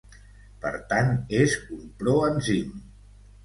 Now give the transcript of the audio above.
Per tant, és un proenzim.